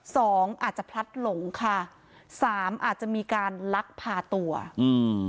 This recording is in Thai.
สองอาจจะพลัดหลงค่ะสามอาจจะมีการลักพาตัวอืม